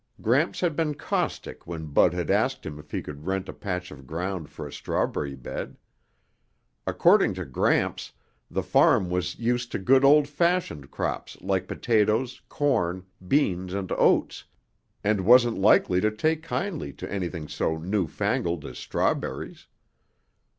Gramps had been caustic when Bud had asked him if he could rent a patch of ground for a strawberry bed. According to Gramps, the farm was used to good old fashioned crops like potatoes, corn, beans and oats, and wasn't likely to take kindly to anything so newfangled as strawberries.